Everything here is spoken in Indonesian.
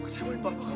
sekarang kamu malah